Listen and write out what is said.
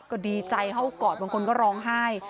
ก็ดีใจเข้ากอดบางคนก็ร้องไห้